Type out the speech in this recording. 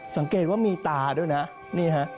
สังเกตว่ามีตาด้วยนะนี่ฮะ